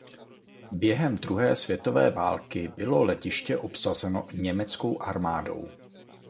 Během druhé světové války bylo letiště obsazeno Německou armádou.